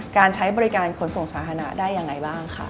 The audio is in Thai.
การใช้บริการขนส่งสาธารณะได้ยังไงบ้างค่ะ